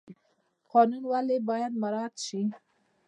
قانون ولې باید مراعات شي؟